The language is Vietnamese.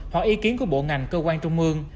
hoặc ý kiến của bộ ngành cơ quan trung ương